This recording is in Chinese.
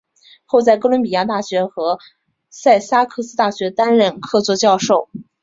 后在哥伦比亚大学和萨塞克斯大学担任客座教授。